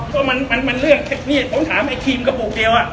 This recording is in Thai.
ก็มันมันมันเรื่องเทปนี้ผมถามไอ้ครีมกระปุกเดียวอ่ะ